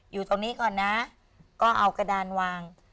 อยู่ตรงนี้ก่อนนะก็เอากระดานวาง